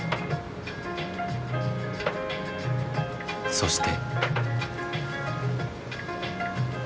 そして。